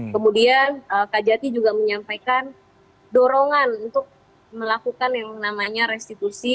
kemudian kak jati juga menyampaikan dorongan untuk melakukan yang namanya restitusi